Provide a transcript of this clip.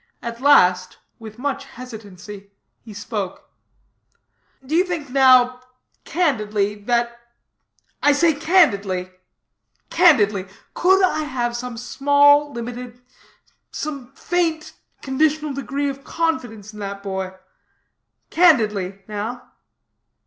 At last, with much hesitancy, he spoke: "Do you think now, candidly, that I say candidly candidly could I have some small, limited some faint, conditional degree of confidence in that boy? Candidly, now?"